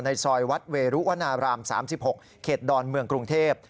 ซอยวัดเวรุวนาราม๓๖เขตดอนเมืองกรุงเทพ